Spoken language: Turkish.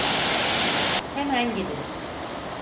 Hemen gidin!